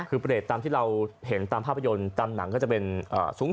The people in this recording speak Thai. คือเปรตตามที่เราเห็นตามภาพยนตร์ตามหนังก็จะเป็นสูง